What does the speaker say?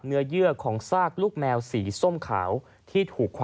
และถือเป็นเคสแรกที่ผู้หญิงและมีการทารุณกรรมสัตว์อย่างโหดเยี่ยมด้วยความชำนาญนะครับ